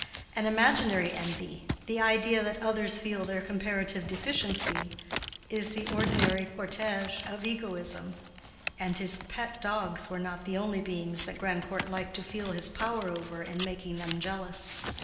An imaginary envy, the idea that others feel their comparative deficiency, is the ordinary cortège of egoism; and his pet dogs were not the only beings that Grandcourt liked to feel his power over in making them jealous.